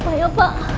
ada apa ya pak